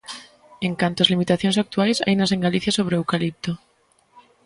En canto ás limitacións actuais, hainas en Galicia sobre o eucalipto.